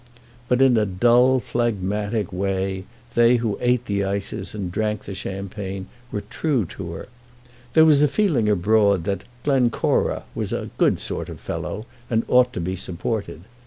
But in a dull, phlegmatic way, they who ate the ices and drank the champagne were true to her. There was a feeling abroad that "Glencora" was a "good sort of fellow" and ought to be supported.